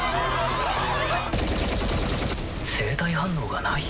生体反応がない？